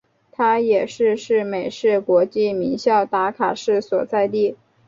它也是是美式国际名校达卡市所在地。